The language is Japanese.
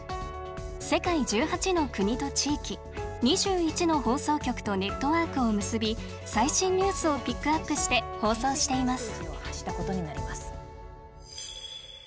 世界１８の国と地域２１の放送局とネットワークを結び最新ニュースをピックアップして放送しています。